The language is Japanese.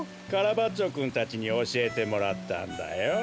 カラバッチョくんたちにおしえてもらったんだよ。